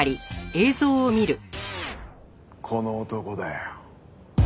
この男だよ。